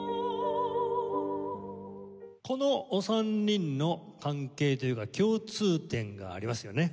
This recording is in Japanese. このお三人の関係というか共通点がありますよね。